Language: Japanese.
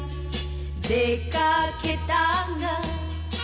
「出掛けたが」